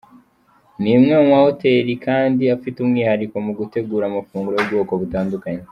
Ni imwe mu mahoteli kandi afite umwihariko mu gutegura amafunguro y’ubwoko butandukanye.